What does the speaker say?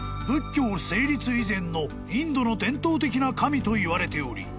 ［仏教成立以前のインドの伝統的な神といわれており］